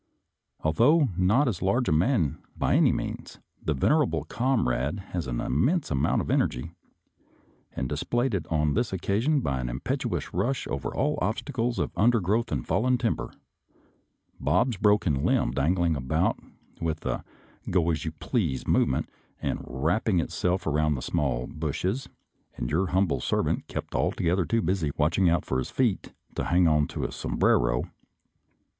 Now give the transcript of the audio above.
Although not a large man by any means, the venerable comrade has an immense amount jf energy, and displayed it on this occasion by in impetuous rush over all the obstacles of un iergrowth and fallen timber, Bob's broken limb iangling about with a " go as you please " move nent, and wrapping itself around the small )ushes, and your humble servant kept altogether 236 SOLDIER'S LETTERS TO CHARMING NELLIE too busy watching out for his feet to hang on to his sombrero.